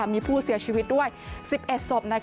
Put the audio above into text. มีผู้เสียชีวิตด้วย๑๑ศพ